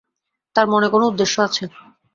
তাঁর মনে কোনো উদ্দেশ্য আছে।